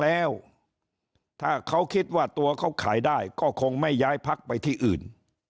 แล้วถ้าเขาคิดว่าตัวเขาขายได้ก็คงไม่ย้ายพักไปที่อื่น